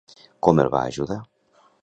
Com el va ajudar?